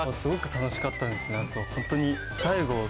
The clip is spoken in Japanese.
楽しかったです。